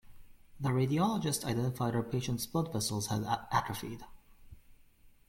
The radiologist identified her patient's blood vessels had atrophied.